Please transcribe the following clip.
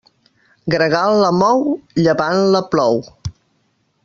Gregal la mou, llevant la plou.